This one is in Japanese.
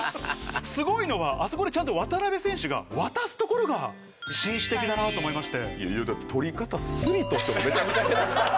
すごいのが、あそこで渡邊選手がちゃんと渡すところが紳士的だなと思いまして。